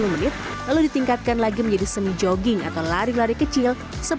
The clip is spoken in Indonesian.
sepuluh tiga puluh menit lalu ditingkatkan lagi menjadi semi jogging atau lari lari kecil